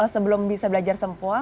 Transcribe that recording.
sebelum bisa belajar sempowa